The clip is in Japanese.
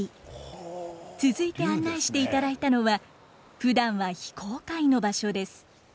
続いて案内していただいたのはふだんは非公開の場所です。